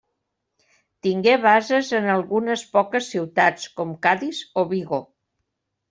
Tingué bases en algunes poques ciutats com Cadis o Vigo.